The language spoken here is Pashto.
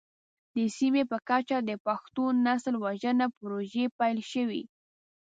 د سیمې په کچه د پښتون نسل وژنه پروژې پيل شوې.